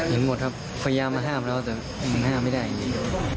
เห็นหมดครับพยายามมาห้ามแล้วแต่มันห้ามไม่ได้อย่างนี้